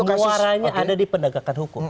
keluarannya ada di pendagangan hukum